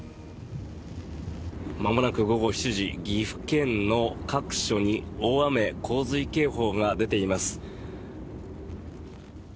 まもなく午後７時岐阜県の各所に大雨・洪水警報が出ています。